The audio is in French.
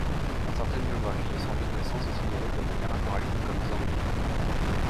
Dans certaines biographies, son lieu de naissance est signalé de manière incorrecte comme Zambie.